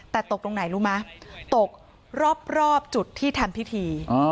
แต่ตกตรงไหนรู้ไหมตกรอบจุดที่ทำพิธี